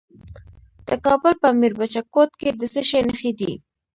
د کابل په میربچه کوټ کې د څه شي نښې دي؟